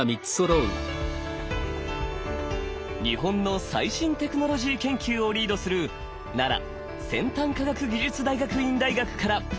日本の最新テクノロジー研究をリードする奈良先端科学技術大学院大学から。